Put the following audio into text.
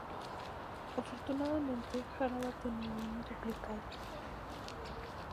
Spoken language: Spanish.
Afortunadamente, Harada tenía un duplicado.